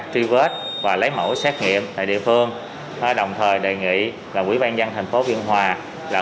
tri vết và lấy mẫu xét nghiệm tại địa phương đồng thời đề nghị quỹ ban nhân dân tp biên hòa